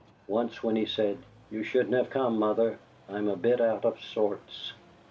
Once when he said: "You shouldn't have come here, Mother; I'm a bit out of sorts!"